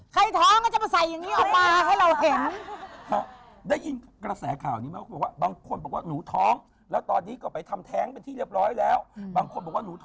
ก็ได้ยินมาบ้างอะไรอย่างนี้ค่ะ